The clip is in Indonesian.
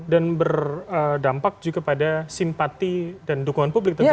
dan berdampak juga pada simpati dan dukungan publik tentunya ya